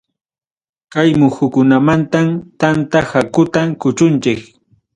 Kay muhukunamantam tanta hakuta kuchunchik.